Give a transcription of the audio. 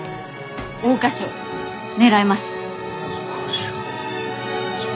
桜花賞狙えます。